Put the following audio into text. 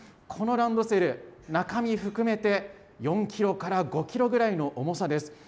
このランドセル、中身含めて４キロから５キロぐらいの重さです。